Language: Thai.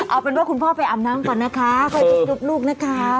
เอาเป็นว่าคุณพ่อไปอาบน้ำก่อนนะคะค่อยยุบลูกนะคะ